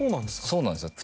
そうなんですよ